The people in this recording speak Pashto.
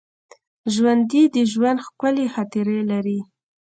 ژوندي د ژوند ښکلي خاطرې لري